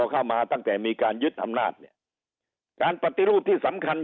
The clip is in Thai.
เข้ามาตั้งแต่มีการยึดอำนาจเนี่ยการปฏิรูปที่สำคัญ